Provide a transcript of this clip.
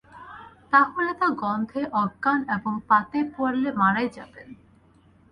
তা হলে তো গন্ধে অজ্ঞান এবং পাতে পড়লে মারাই যাবেন!